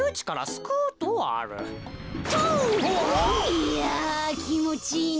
いやきもちいいな。